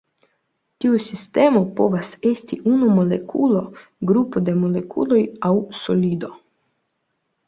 Tiu sistemo povas esti unu molekulo, grupo de molekuloj aŭ solido.